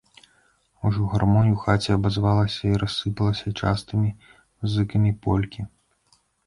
Ужо гармонь у хаце абазвалася і рассыпалася частымі зыкамі полькі.